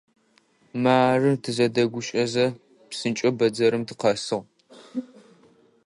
Мары, тызэдэгущыӏэзэ, псынкӏэу бэдзэрым тыкъэсыгъ.